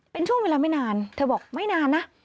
เป็นช่วงเวลาไม่นานเธอบอกไม่นานนะ